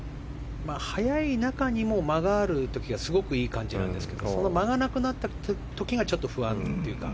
早い時にも間があるのはいい感じなんですけど間がなくなった時がちょっと不安というか。